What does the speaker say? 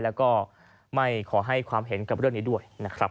และไม่ขอให้ความเห็นกับเรื่องนี้ด้วย